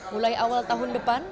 mulai awal tahun depan